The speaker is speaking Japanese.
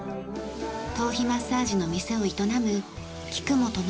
頭皮マッサージの店を営む菊元典子さん。